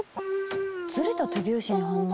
ずれた手拍子に反応？